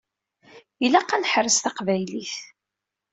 Ilaq ad neḥrez Taqbaylit.